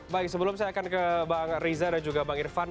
baik sebelum saya akan ke bang riza dan juga bang irfan